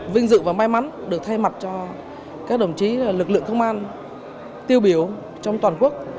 vinh dự và may mắn được thay mặt cho các đồng chí lực lượng công an tiêu biểu trong toàn quốc